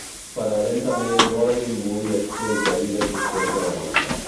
Però lentament volen imbuir estils de vida associats a la marca.